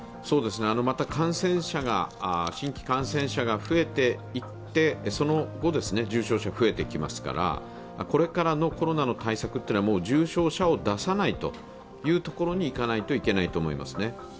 また新規感染者が増えていって、その後、重症者増えてきますからこれからのコロナの対策は重症者を出さないというところにいかないといけないですね。